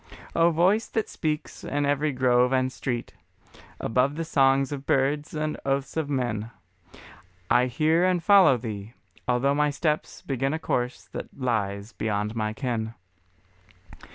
O Voice that speaks in every grove and street, Above the song of birds and oaths of men, I hear and follow Thee, although my steps Begin a course that lies beyond my ken.